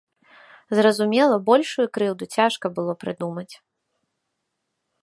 Зразумела, большую крыўду цяжка было прыдумаць.